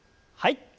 はい。